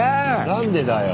何でだよ。